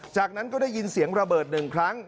จากนั้นก็ได้ยินเสียงระเบิดหนึ่งครั้ง